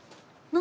何？